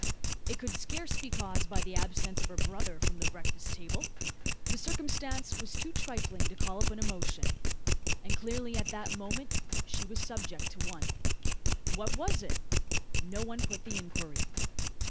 It could scarce be caused by the absence of her brother from the breakfast table? The circumstance was too trifling to call up an emotion; and clearly at that moment was she subject to one. What was it? No one put the inquiry.